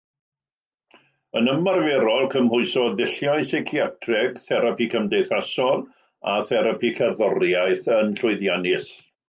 Yn ymarferol, cymhwysodd ddulliau seiciatreg, therapi cymdeithasol a therapi cerddoriaeth yn llwyddiannus.